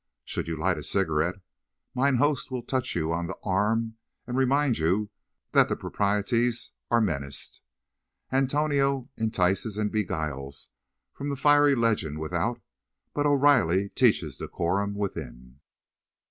Should you light a cigarette, mine host will touch you on the "arrum" and remind you that the proprieties are menaced. "Antonio" entices and beguiles from fiery legend without, but "O'Riley" teaches decorum within.